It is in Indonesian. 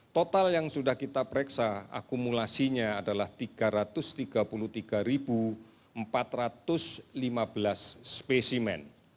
total yang sudah kita pereksa akumulasinya adalah tiga ratus tiga puluh tiga empat ratus lima belas spesimen